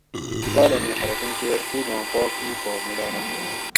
کالامیں خلقیں کیر پوگاں پاک اُو پا میلاؤ نہ ہوانت